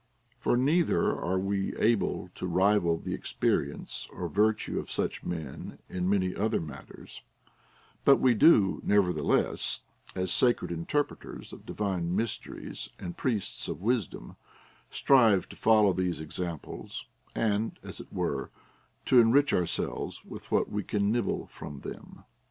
For neither are we able to rival the experience or virtue of such men in many other matters ; but we do, nevertheless, as sacred interpreters of divine mysteries and priests of wisdom, strive to follow these examples, and, as it were, to enrich ourselves with what we can nibble from them.